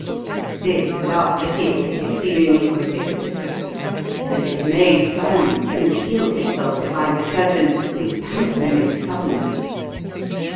This last appeal to his feelings was irresistible. The dismayed Cymon concealed himself behind the curtain with pantomimic suddenness.